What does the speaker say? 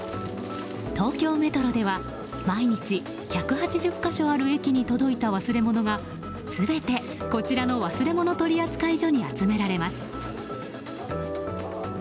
東京メトロでは毎日１８０か所ある駅に届いた忘れ物が全てこちらの忘れ物取扱所に集められます。